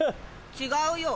違うよ。